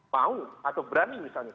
mau atau berani misalnya